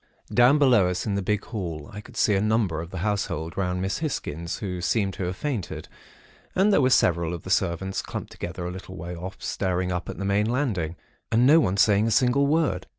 "Down, below us in the big hall, I could see a number of the household round Miss Hisgins, who seemed to have fainted; and there were several of the servants clumped together a little way off, staring up at the main landing, and no one saying a single word.